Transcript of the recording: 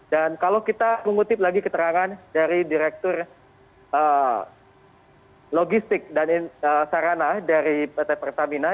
dan kalau kita mengutip lagi keterangan dari direktur logistik dan sarana dari pt pertamina